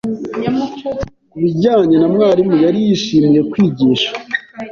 Ku bijyanye na mwarimu, yari yishimiye kwigisha.